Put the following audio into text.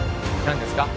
何ですか？